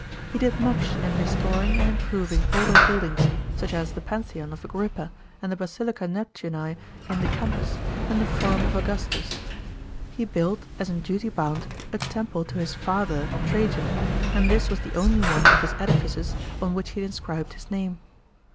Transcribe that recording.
He did much in restoring aucl improving older buildings, such as the Pantheon of A<.irippa and the Basilica Neptuni in the Campus, and the Forum of Augustus. He built, as in duty bound, a temple to his " father " Trajan, and this was the only one of his edifices on which he inscribed his name.